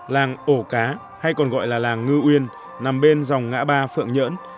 làng ổ cá hay còn gọi là làng ngư uyên nằm bên dòng ngã ba phượng nhỡn